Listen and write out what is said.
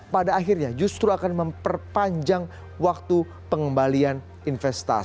pada akhirnya justru akan memperpanjang waktu pengembalian investasi